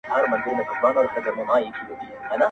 دوی د کوربه ټولنو د کلتورونو ژباړونکي دي